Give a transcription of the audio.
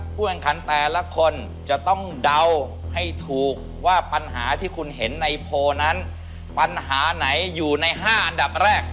แข่งขันแต่ละคนจะต้องเดาให้ถูกว่าปัญหาที่คุณเห็นในโพลนั้นปัญหาไหนอยู่ใน๕อันดับแรก